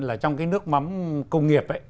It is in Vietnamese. là trong cái nước mắm công nghiệp